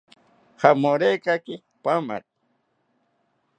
Jamorekaki paamari